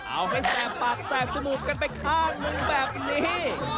เอาให้แสบปากแสบจมูกกันไปข้างหนึ่งแบบนี้